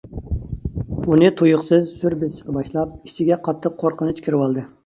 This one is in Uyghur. ئۇنى تۇيۇقسىز سۈر بېسىشقا باشلاپ، ئىچىگە قاتتىق قورقۇنچ كىرىۋالدى.